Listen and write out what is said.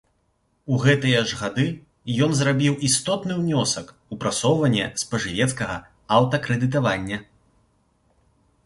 У гэтыя ж гады ён зрабіў істотны ўнёсак у прасоўванне спажывецкага аўтакрэдытавання.